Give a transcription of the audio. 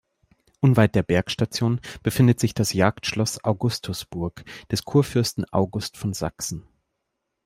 Unweit der Bergstation befindet sich das Jagdschloss Augustusburg des Kurfürsten August von Sachsen.